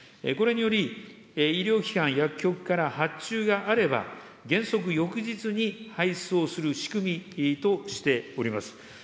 これにより、医療機関、薬局から発注があれば、原則翌日に配送する仕組みとしております。